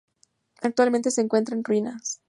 Actualmente se encuentra en ruinas.